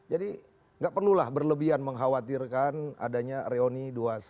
jadi gak perlulah berlebihan mengkhawatirkan adanya reoni dua ratus dua belas